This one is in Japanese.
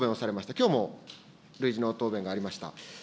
きょうも累次の答弁がありました。